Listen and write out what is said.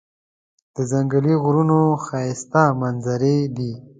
د ځنګلي غرونو ښایسته منظرې دي.